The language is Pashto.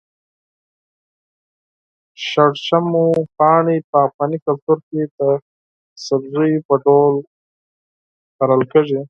شړشمو پاڼې په افغاني کلتور کې د سبزيجاتو په ډول کرل کېږي.